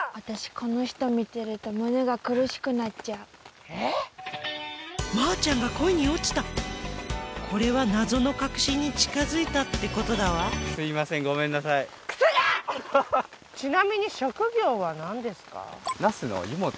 この人見てると胸が苦しくなっちゃうマーちゃんが恋に落ちたこれは謎の核心に近づいたってことだわすいませんごめんなさいクソがっちなみに職業は何ですか？